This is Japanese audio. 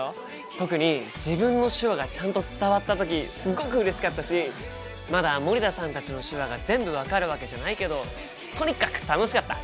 特に自分の手話がちゃんと伝わった時すごくうれしかったしまだ森田さんたちの手話が全部分かるわけじゃないけどとにかく楽しかった！